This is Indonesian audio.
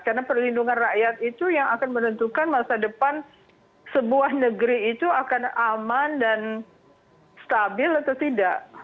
karena perlindungan rakyat itu yang akan menentukan masa depan sebuah negeri itu akan aman dan stabil atau tidak